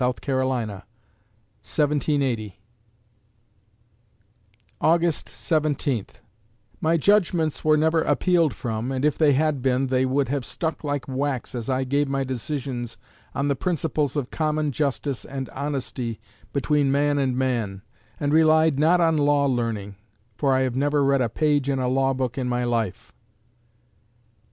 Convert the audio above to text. C., 1780_ August Seventeenth My judgments were never appealed from, and if they had been, they would have stuck like wax, as I gave my decisions on the principles of common justice and honesty between man and man, and relied not on law learning; for I have never read a page in a law book in my life.